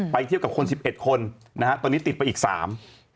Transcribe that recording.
ไปเที่ยวกับคนสิบเอ็ดคนตอนนี้ติดไปอีกสาม